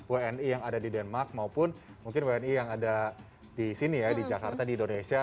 wni yang ada di denmark maupun mungkin wni yang ada di sini ya di jakarta di indonesia